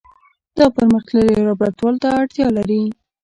دا پرمختللي لابراتوار ته اړتیا لري.